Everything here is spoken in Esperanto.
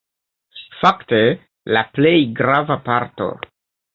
Fakte la plej grava parto.